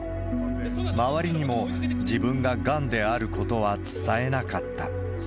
周りにも自分ががんであることは伝えなかった。